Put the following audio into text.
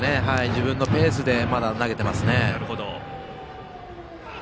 自分のペースでまだ投げてますね。